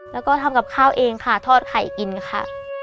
แล้วก็ทำกับข้าวเองค่ะทอดไข่กินค่ะ